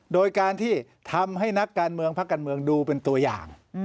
โดยการที่ทำให้นักการเมืองพักการเมืองดูเป็นตัวอย่าง